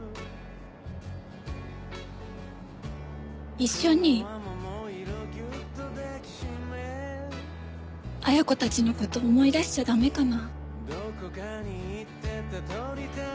一緒に恵子たちの事思い出しちゃ駄目かな？